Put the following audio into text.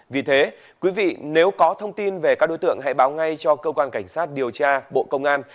vì thế quý vị nếu có thông tin về các đối tượng hãy báo ngay cho cơ quan cảnh sát điều tra bộ công an